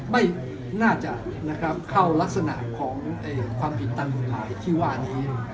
ไม่น่าจะเข้ารักษณะของความผิดตามกฎหมายที่ว่านี้